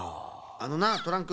あのなトランク。